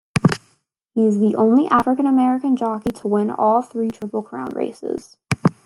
He is the only African American jockey to win all three Triple Crown races.